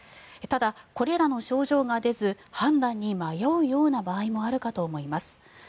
ただ、これらの症状が出ず判断に迷うような場合もあるかと思います。